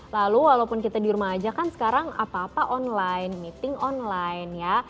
lalu walaupun kita di rumah aja kan sekarang apa apa online meeting online ya